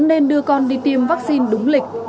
không nên đưa con đi tiêm vaccine đúng lịch